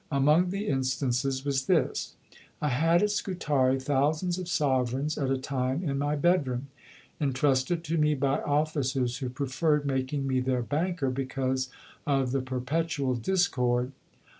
Among the instances was this: "I had at Scutari thousands of sovereigns at a time in my bedroom, entrusted to me by officers who preferred making me their banker because of the perpetual discord.